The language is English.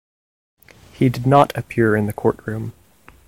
He did not appear in the courtroom.